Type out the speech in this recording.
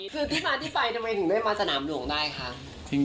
คือที่มาที่ไปทำไมถึงได้มาสนามหลวงได้คะ